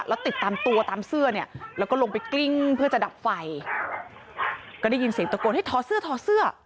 แล้วติดตามตัวตามเสื้อเนี่ยแล้วก็ลงไปกลิ้งเพื่อจะดับไฟก็ได้ยินเสียงตะโกนให้ถอดเสื้อถอดเสื้อ